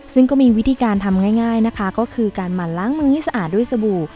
ซึ่งก็มีวิธีการทำง่ายนะคะก็คือการหมั่นล้างมือให้สะอาดด้วยสบู่